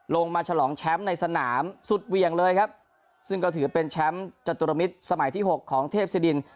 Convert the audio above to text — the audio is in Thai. ลงมาฉลองแชมป์ในสนามสุดเหวี่ยงเลยครับซึ่งก็ถือเป็นแชมป์จตุรมิตรสมัยที่หกของเทพศิดิน